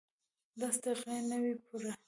لس دقیقې نه وې پوره.